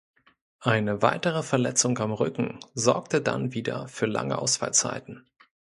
Eine weitere Verletzung am Rücken sorgte dann wieder für lange Ausfallzeiten.